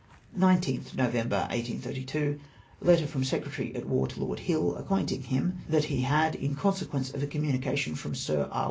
" I9th November, 1832. — Letter from Secretary at War to Lord Hill, acquainting him that he had, in consequence of a communication from Sir E.